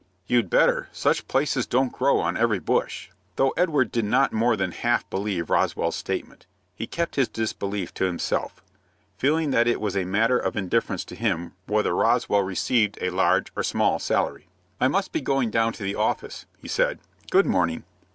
"You'd better. Such places don't grow on every bush." Though Edward did not more than half believe Roswell's statement, he kept his disbelief to himself, feeling that it was a matter of indifference to him whether Roswell received a large or small salary. "I must be going down to the office," he said. "Good morning."